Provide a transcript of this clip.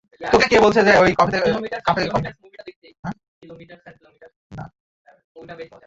Pillarboxing is the vertical equivalent of letterboxing and is sometimes called reverse letterboxing.